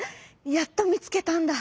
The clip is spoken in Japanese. やっとみつけたんだ。